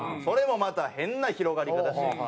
それもまた変な広がり方して。